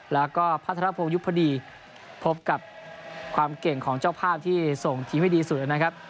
แล้วก็พัฒนภงยุพดีพบกับความเก่งของเจ้าภาพที่ส่งทีมให้ดีสุดนะครับ